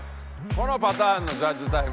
このパターンのジャッジタイム